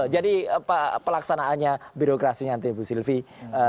jadi pelaksanaannya birokrasi nanti ibu sylvie